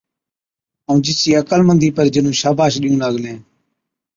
ائُون جِچِي عقلمندِي پر جِنُون شاباش ڏِيئُون لاگلين،